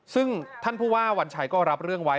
ซึ่งท่านผู้ว่าวัญชัยก็รับเรื่องไว้